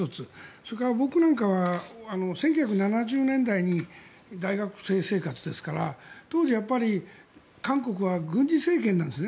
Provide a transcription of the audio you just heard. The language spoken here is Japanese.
それから僕なんかは１９７０年代に大学生生活ですから当時、韓国は軍事政権なんですね。